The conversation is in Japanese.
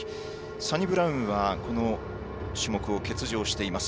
サニブラウンはこの種目を欠場しています。